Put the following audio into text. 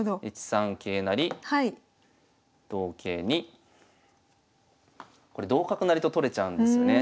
１三桂成同桂にこれ同角成と取れちゃうんですよね。